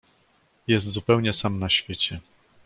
"Jest zupełnie sam na świecie."